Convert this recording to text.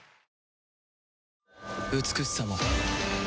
美しさも